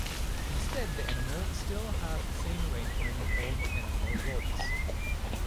Instead, the enamel still has the same arrangement of enamel rods.